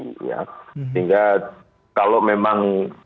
sehingga kalau memang